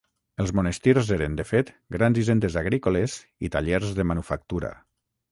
Els monestirs eren, de fet, grans hisendes agrícoles i tallers de manufactura.